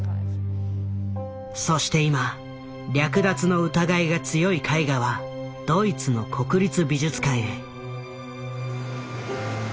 そして今略奪の疑いが強い絵画はドイツの国立美術館へ。